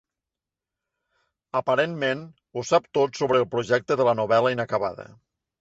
Aparentment, ho sap tot sobre el projecte de la novel·la inacabada.